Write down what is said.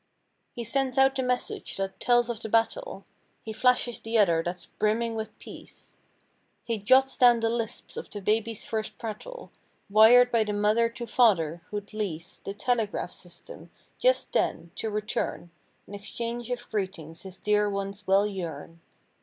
He sends out the message that tells of the battle; He flashes the other that's brimming with peace; He jots down the lisps of the baby's first prattle Wired by the mother to father, who'd lease The telegraph system, just then, to return An exchange of greetings his dear ones well yearn.